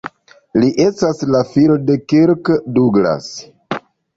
Li estas la filo de Kirk Douglas.